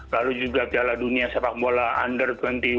lalu juga piala dunia sepak bola under dua puluh